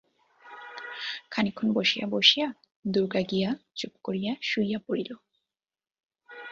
খানিকক্ষণ বসিয়া বসিয়া দুর্গা গিয়া চুপ করিয়া শুইয়া পড়িল।